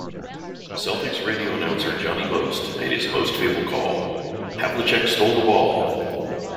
Celtics' radio announcer Johnny Most made his most fabled call: Havlicek stole the ball!